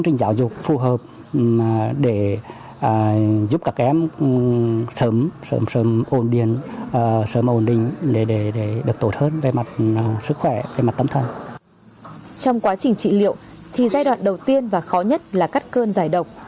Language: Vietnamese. trong quá trình trị liệu thì giai đoạn đầu tiên và khó nhất là cắt cơn giải độc